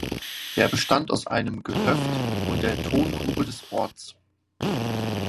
Er bestand aus einem Gehöft und der Tongrube des Orts.